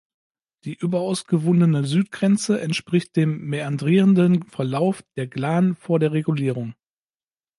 Die überaus gewundene Südgrenze entspricht dem mäandrierenden Verlauf der Glan vor der Regulierung.